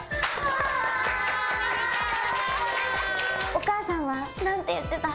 お母さんは何て言ってた？